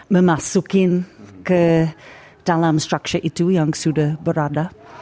memasukin ke dalam struction itu yang sudah berada